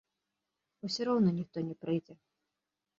Усё роўна ніхто не прыйдзе.